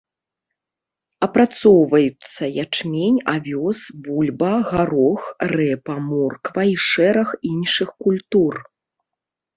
Апрацоўваюцца ячмень, авёс, бульба, гарох, рэпа, морква і шэраг іншых культур.